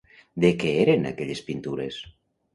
De què eren aquelles pintures?